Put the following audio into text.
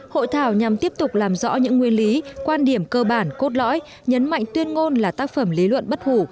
hội thảo nhằm tiếp tục làm rõ những nguyên lý quan điểm cơ bản cốt lõi nhấn mạnh tuyên ngôn là tác phẩm lý luận bất hủ